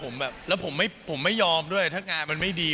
ผมแบบแล้วผมไม่ยอมด้วยถ้างานมันไม่ดี